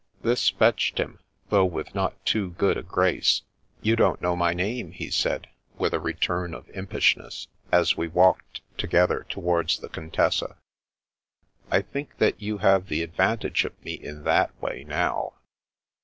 This fetched him, though with not too good a grace. " You don't know my name," he said, with a return of impishness, as we walked together to wards the Contessa. " I think that you have the advantage of me in that way, now."